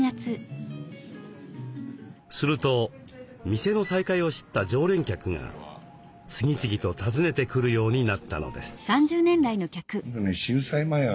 すると店の再開を知った常連客が次々と訪ねてくるようになったのです。